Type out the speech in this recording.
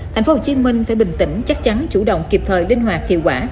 tp hcm phải bình tĩnh chắc chắn chủ động kịp thời linh hoạt hiệu quả